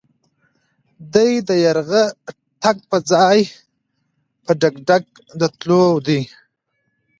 دی د يرغه تګ پر ځای په ډګډګ د تللو دی.